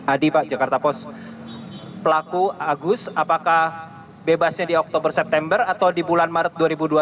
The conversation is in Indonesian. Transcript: adi pak jakarta post pelaku agus apakah bebasnya di oktober september atau di bulan maret dua ribu dua puluh